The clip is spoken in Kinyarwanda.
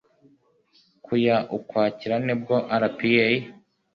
ku ya ukwakira nibwo rpa